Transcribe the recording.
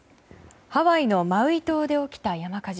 ハワイのマウイ島で起きた山火事。